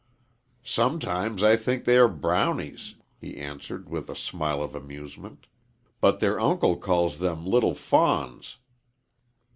"Sometimes I think they are brownies," he answered, with a smile of amusement. "But their uncle calls them little fawns."